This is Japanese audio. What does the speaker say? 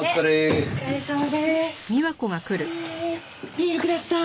ビールください。